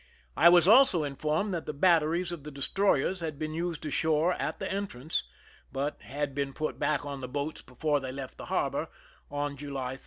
I was also informed that the bat teries of the destroyers had been used ashore at the entrance, but had been put back on the boats before they left the harbor on July 3.